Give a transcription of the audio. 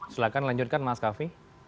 silakan lanjutkan mas kavi